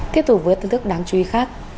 tiếp tục với thông tin đáng chú ý khác